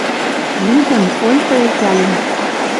Лӱдӹн, ойхы элтӓлен.